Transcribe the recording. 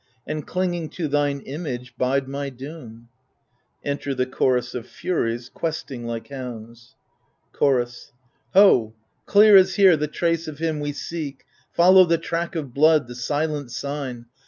And clinging to thine image, bide my doom. [Enter the C /torus of Furies^ questing like hounds. Chorus Ho ! clear is here the trace of him we seek : Follow the track of blood, the silent sign